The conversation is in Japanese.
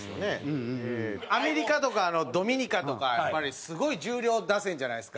アメリカとかドミニカとかやっぱりすごい重量打線じゃないですか。